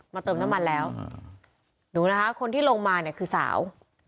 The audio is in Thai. เติมน้ำมันแล้วดูนะคะคนที่ลงมาเนี่ยคือสาว